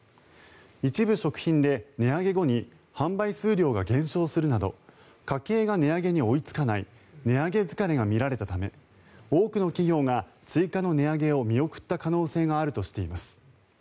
一部食品で値上げ後に販売数量が減少するなど家計が値上げに追いつかない値上げ疲れが見られたため多くの企業が追加の値上げを見送った可能性があるとしています。